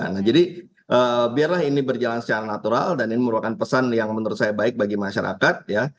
nah jadi biarlah ini berjalan secara natural dan ini merupakan pesan yang menurut saya baik bagi masyarakat